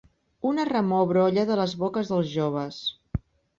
Una remor brolla de les boques dels joves.